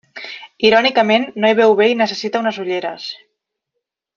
Irònicament, no hi veu bé i necessita unes ulleres.